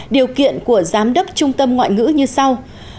điều kiện của giám đốc trung tâm ngoại ngữ như sau